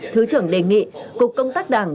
thứ trưởng đề nghị cục công tác đảng